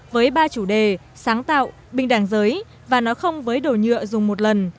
với ba chủ đề sáng tạo bình đẳng giới và nói không với đồ nhựa dùng một lần